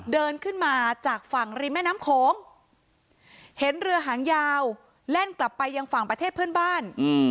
เดินขึ้นมาจากฝั่งริมแม่น้ำโขงเห็นเรือหางยาวแล่นกลับไปยังฝั่งประเทศเพื่อนบ้าน